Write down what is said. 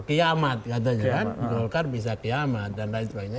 kiamat di golkar bisa kiamat dan lain sebagainya